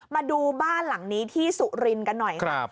มาดูบ้านหลังนี้ที่สุรินทร์กันหน่อยครับ